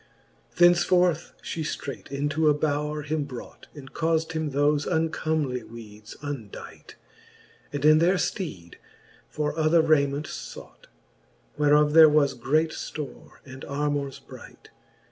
XLL Thence forth fhe ftreight into a bowre him brought, And caufd him thofe uncomely weedes undight , And in their fteed for other rayment feught. Whereof there was great ftore, and armours bright.